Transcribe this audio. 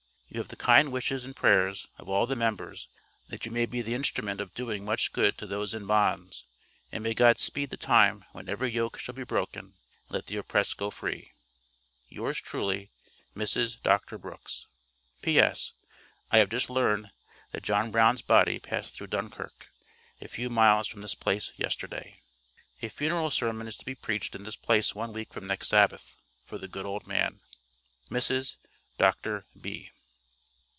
You have the kind wishes and prayers of all the members, that you may be the instrument of doing much good to those in bonds, and may God speed the time when every yoke shall be broken, and let the oppressed go free. Yours, truly, Mrs. DR. BROOKS. P.S. I have just learned that John Brown's body passed through Dunkirk, a few miles from this place, yesterday. A funeral sermon is to be preached in this place one week from next Sabbath, for the good old man. Mrs. DR. B.